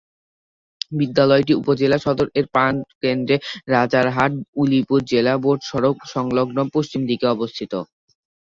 বিদ্যালয়টি উপজেলা সদর এর প্রাণ কেন্দ্রে রাজারহাট-উলিপুর জেলা-বোর্ড সড়ক সংলগ্ন পশ্চিম দিকে অবস্থিত।